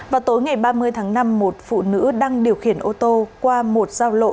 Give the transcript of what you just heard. vào tối ngày ba mươi tháng năm một phụ nữ đang điều khiển ô tô qua một giao lộ